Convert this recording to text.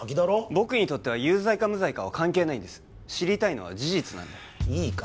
僕には有罪か無罪かは関係ない知りたいのは事実なんでいいか